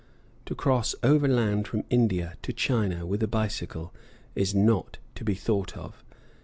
To cross overland from India to China with a bicycle is not to be thought of.